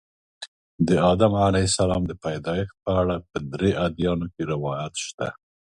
د آدم علیه السلام د پیدایښت په اړه په درې ادیانو کې روایات شته.